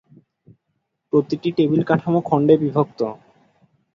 প্রতিটি টেবিল কাঠামো খন্ডে বিভক্ত।